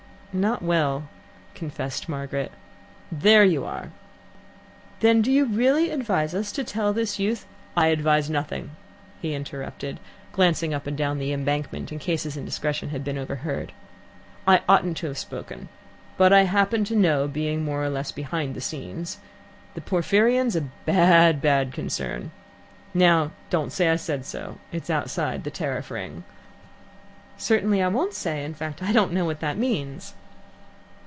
"Not well," confessed Margaret. "There you are!" "Then do you really advise us to tell this youth " "I advise nothing," he interrupted, glancing up and down the Embankment, in case his indiscretion had been overheard. "I oughtn't to have spoken but I happen to know, being more or less behind the scenes. The Porphyrion's a bad, bad concern Now, don't say I said so. It's outside the Tariff Ring." "Certainly I won't say. In fact, I don't know what that means."